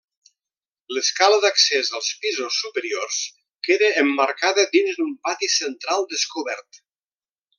L'escala d'accés als pisos superiors queda emmarcada dins d'un pati central descobert.